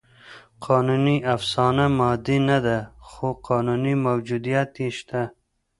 قانوني افسانه مادي نهده؛ خو قانوني موجودیت یې شته.